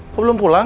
kok belum pulang